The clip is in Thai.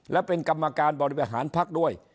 และเป็นกรรมการบริหารพักด้วย